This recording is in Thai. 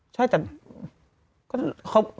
ใช่แต่เขา